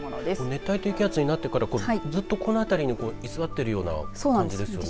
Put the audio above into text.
熱帯低気圧なってからずっとこのあたりに居座っているような感じですよね。